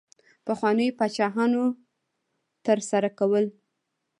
پخوانیو پاچاهانو ترسره کول.